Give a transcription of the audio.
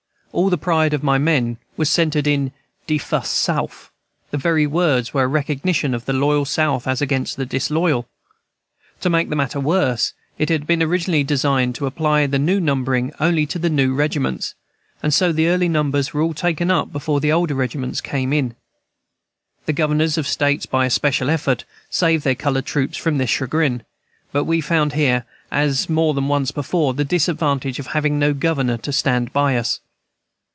All the pride of my men was centred in "de Fus' Souf"; the very words were a recognition of the loyal South as against the disloyal. To make the matter worse, it had been originally designed to apply the new numbering only to the new regiments, and so the early numbers were all taken up before the older regiments came in. The governors of States, by especial effort, saved their colored troops from this chagrin; but we found here, as more than once before, the disadvantage of having no governor to stand by us.